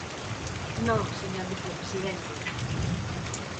Non, señor vicepresidente.